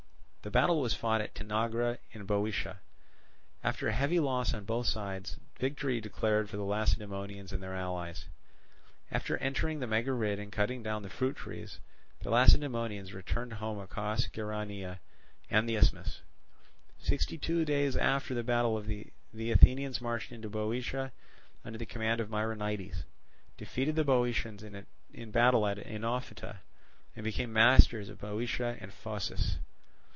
The battle was fought at Tanagra in Boeotia. After heavy loss on both sides, victory declared for the Lacedaemonians and their allies. After entering the Megarid and cutting down the fruit trees, the Lacedaemonians returned home across Geraneia and the isthmus. Sixty two days after the battle the Athenians marched into Boeotia under the command of Myronides, defeated the Boeotians in battle at Oenophyta, and became masters of Boeotia and Phocis.